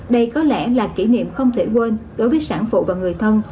đây có lẽ là kỷ niệm không thể quên đối với sản phụ và người thân